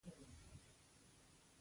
په ډېر غمګین آواز یې پېښه بیان کړه.